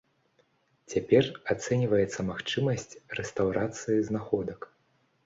Цяпер ацэньваецца магчымасць рэстаўрацыі знаходак.